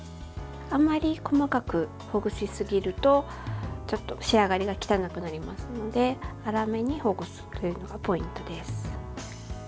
あんまり細かくほぐしすぎるとちょっと仕上がりが汚くなりますので粗めにほぐすのがポイントです。